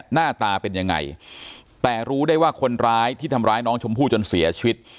หน้าตาเป็นยังไงแต่รู้ได้ว่าคนร้ายที่ทำร้ายน้องชมพู่จนเสียชีวิต